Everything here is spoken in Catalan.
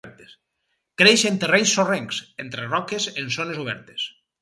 Creix en terrenys sorrencs, entre roques en zones obertes.